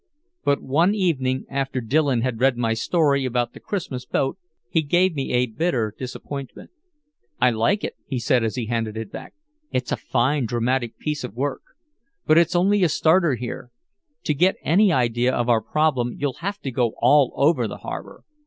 But one evening, after Dillon had read my story about the Christmas Boat, he gave me a bitter disappointment. "I like it," he said, as he handed it back. "It's a fine dramatic piece of work. But it's only a starter here. To get any idea of our problem you'll have to go all over the harbor.